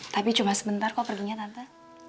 tapi cuma sebentar kok perginya tante